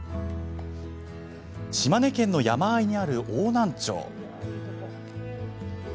島根県の山あいにある邑南町。